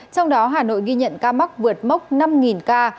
trong đó hà nội ghi nhận ca mắc vượt mốc năm ca